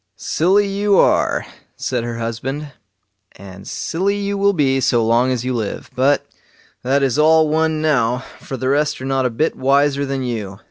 "Silly you are", said her husband, "and silly you will be so long as you live; but that is all one now, for the rest are not a bit wiser than you.